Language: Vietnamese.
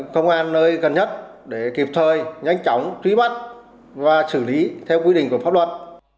công an nơi gần nhất để kịp thời nhanh chóng truy bắt và xử lý theo quy định của pháp luật